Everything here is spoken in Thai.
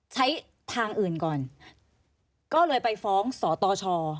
ใช้ทางอื่นก่อนก็เลยไปฟ้องสตช